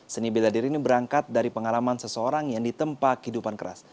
seni bela diri ini berangkat dari pengalaman seseorang yang ditempa kehidupan keras